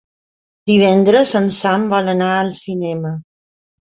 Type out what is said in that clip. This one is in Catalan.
Divendres en Sam vol anar al cinema.